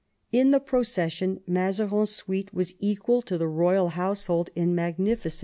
In the procession Mazarin's suite was equal to the royal household in magnificence.